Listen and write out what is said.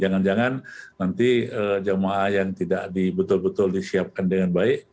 jangan jangan nanti jemaah yang tidak betul betul disiapkan dengan baik